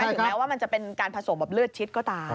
ถึงแม้ว่ามันจะเป็นการผสมแบบเลือดชิดก็ตาม